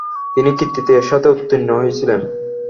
তিনি কৃতিত্বের সাথে উত্তীর্ণ হয়েছিলেন।